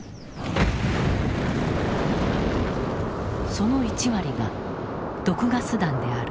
その１割が毒ガス弾である。